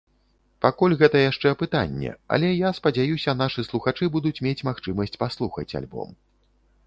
Пакуль гэта яшчэ пытанне, але, я спадзяюся, нашы слухачы будуць мець магчымасць паслухаць альбом.